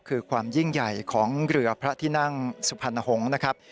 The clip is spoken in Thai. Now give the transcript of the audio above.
คือความยิ่งใหญ่ของเรือพระที่นั่งสุพรรณหงษ์นะครับ